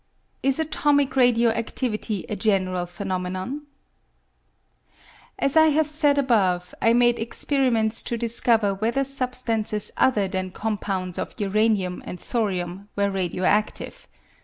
7j Atomic Radio activity a general Phenomenon ? As I have said above, I made experiments to discover .vhether substances other than compounds of uranium and thorium were radio adive.